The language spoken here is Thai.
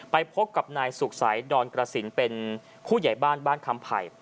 ไปพบกับนายสุขสัยดอนกระสินเป็นผู้ใหญ่บ้านบ้านคำไผ่